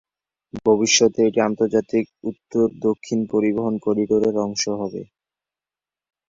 ভবিষ্যতে এটি আন্তর্জাতিক উত্তর-দক্ষিণ পরিবহণ করিডোর এর অংশ হবে।